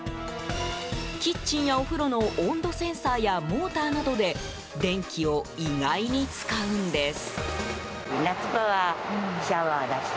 キッチンやお風呂の温度センサーやモーターなどで電気を意外に使うのです。